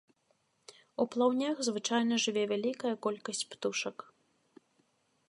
У плаўнях звычайна жыве вялікая колькасць птушак.